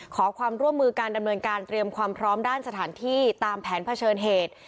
ขอความร่วมมือการดำเนินการเตรียมความพร้อมด้านสถานที่ตามแผนเผชิญเหตุ